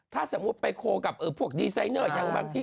ถ้าสมมุติไปโคลกับพวกดีไซเนอร์อย่างบางที่